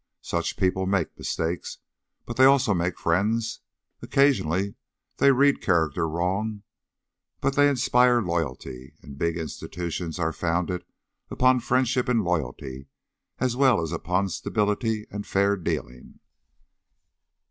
Such people make mistakes, but they also make friends; occasionally they read character wrong, but they inspire loyalty, and big institutions are founded upon friendship and loyalty as well as upon stability and fair dealing.